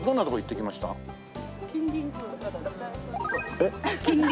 えっ？